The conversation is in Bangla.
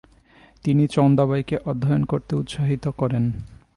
তিনি চন্দাবাইকে অধ্যয়ন করতে উৎসাহিত করেন।